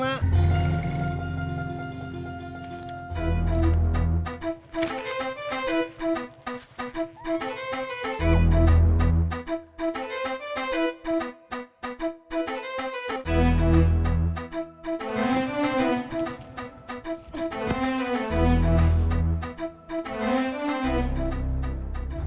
mahu ngasih mak